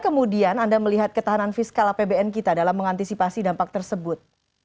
kemudian anda melihat ketahanan fiskal apbn kita dalam mengantisipasi dampak tersebut